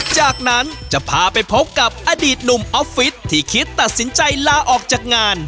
จากนั้นจะพาไปพบกับอดีตหนุ่มออฟฟิศที่คิดตัดสินใจลาออกจากงาน